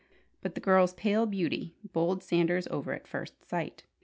But the girl's pale beauty bowled Sanders over at first sight.